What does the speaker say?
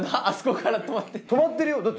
あそこから止まってるの？